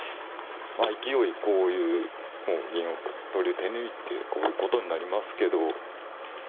いきおいこういう銀取り手抜いてこういうことになりますけど。